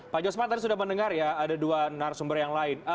pak jospan tadi sudah mendengar ya ada dua narasumber yang lain